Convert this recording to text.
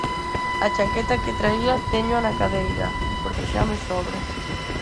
A chaqueta que traía téñoa na cadeira, porque xa me sobra.